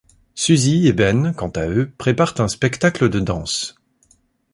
Susie et Ben, quant à eux, préparent un spectacle de danse.